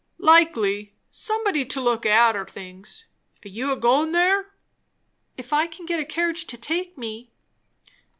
"Likely. Somebody to look arter things. You're a goin' there?" "If I can get a carriage to take me."